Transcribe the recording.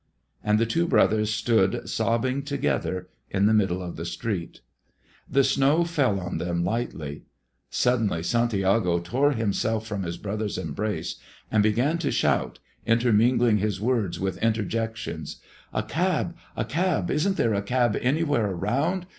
And the two brothers stood sobbing together in the middle of the street. The snow fell on them lightly. Suddenly Santiago tore himself from his brother's embrace, and began to shout, intermingling his words with interjections, "A cab! A cab! Isn't there a cab anywhere around?